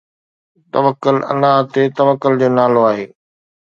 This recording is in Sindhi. توڪل الله تي توڪل جو نالو آهي